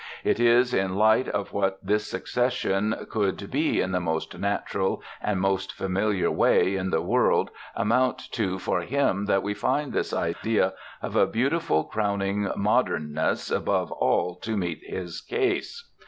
It is in the light of what this succession could in the most natural and most familiar way in the world amount to for him that we find this idea of a beautiful crowning modernness above all to meet his case.